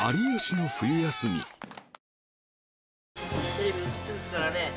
テレビ映ってんですからね。